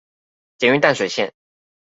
捷運淡水線